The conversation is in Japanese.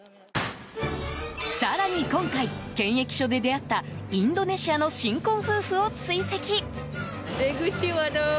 更に今回、検疫所で出会ったインドネシアの新婚夫婦を追跡。